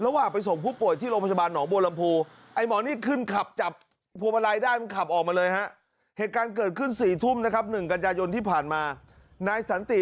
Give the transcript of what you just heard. แล้วว่าไปส่งผู้ป่วยที่โรงพยาบาลหนองบัวลำพู